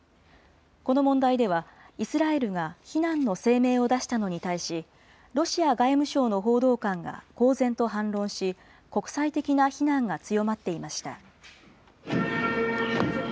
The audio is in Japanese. この問題では、イスラエルが非難の声明を出したのに対し、ロシア外務省の報道官が公然と反論し、国際的な非難が強まっていました。